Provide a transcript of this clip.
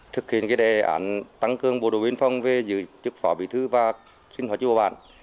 thực hiện cái đề đoạn tăng cường bộ đội biên phòng về giữ chức phỏ bí thư và sinh hoạt chức bộ bản